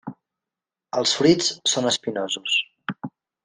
Els fruits són espinosos.